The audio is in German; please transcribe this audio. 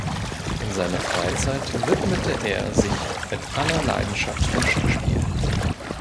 In seiner Freizeit widmete er sich mit aller Leidenschaft dem Schachspiel.